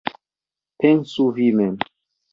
Pensu vi mem!